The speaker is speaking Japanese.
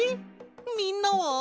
みんなは？